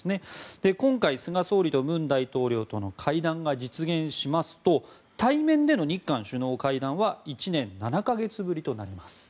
今回、菅総理と文大統領との会談が実現しますと対面での日韓首脳会談は１年７か月ぶりとなります。